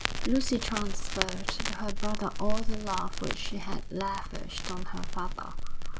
Lucy transferred to her brother all the love which she had lavished on her father.